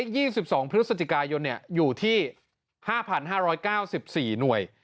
ไอ้ยี่สิบสองพฤศจิกายนเนี่ยอยู่ที่ห้าพันห้าร้อยเก้าสิบสี่หน่วย